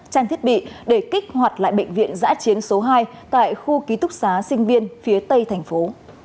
trang thiết bị để kích hoạt lại bệnh viện giã chiến số hai tại khu ký túc xá sinh viên phía tây thành phố